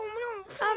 あっ。